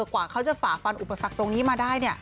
กว่าเขาจะฝ่าฟันอุปสรรคตรงนี้มาได้